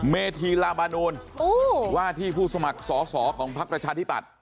เมธีลาบานูลว่าที่ผู้สมัครสอสอของพักประชาธิปัตย